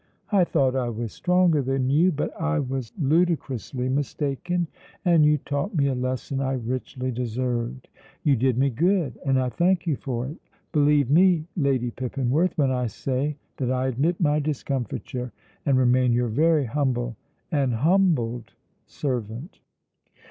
I thought I was stronger than you, but I was ludicrously mistaken, and you taught me a lesson I richly deserved; you did me good, and I thank you for it. Believe me, Lady Pippinworth, when I say that I admit my discomfiture, and remain your very humble and humbled servant."